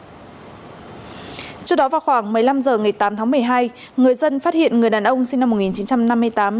trước đó vào khoảng một mươi năm h ngày tám tháng một mươi hai người dân phát hiện người đàn ông sinh năm một nghìn chín trăm năm mươi tám